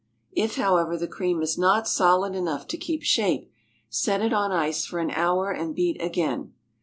If, however, the cream is not solid enough to keep shape, set it on ice for an hour and beat again.